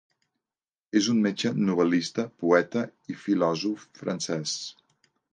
És un metge, novel·lista, poeta i filòsof francès.